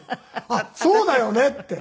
あっそうだよねって。